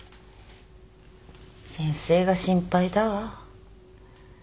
先生が心配だわ。